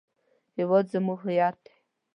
هېواد زموږ هویت دی